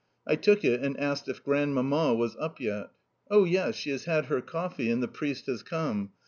I took it, and asked if Grandmamma was up yet. "Oh yes, she has had her coffee, and the priest has come.